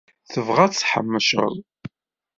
Tebɣa ad t-teḥmec.